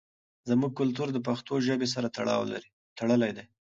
زموږ کلتور د پښتو ژبې سره تړلی دی.